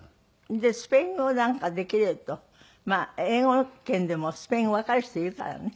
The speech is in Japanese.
でスペイン語なんかできると英語圏でもスペイン語わかる人いるからね。